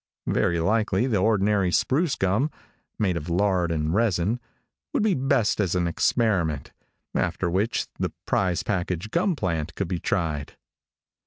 Very likely the ordinary spruce gum (made of lard and resin) would be best as an experiment, after which the prize package gum plant could be tried.